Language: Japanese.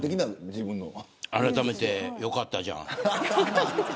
あらためて、よかったじゃん。